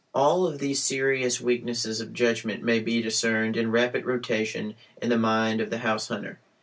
_ All these serious weaknesses of judgment may be discerned, in rapid rotation, in the mind of the house hunter.